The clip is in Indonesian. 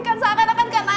nah ini satu perang tertentu